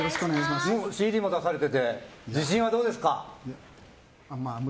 ＣＤも出されてて自信はどうですか？